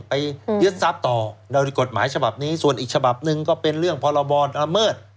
ยึดทรัพย์ต่อโดยกฎหมายฉบับนี้ส่วนอีกฉบับหนึ่งก็เป็นเรื่องพรบรด